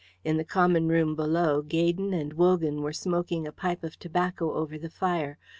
In the common room below Gaydon and Wogan were smoking a pipe of tobacco over the fire.